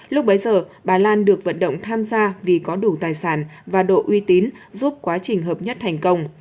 lúc bấy giờ bà lan được vận động tham gia vì có đủ tài sản và độ uy tín giúp quá trình hợp nhất thành công